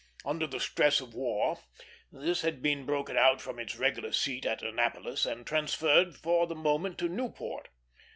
Under the stress of the war, this had been broken out from its regular seat at Annapolis and transferred for the moment to Newport.